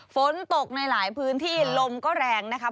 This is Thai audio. ฝนตกในหลายพื้นที่ลมก็แรงนะคะ